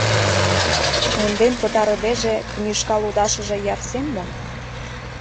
Монден пытарыдеже, книшка лудашыже ярсен мо?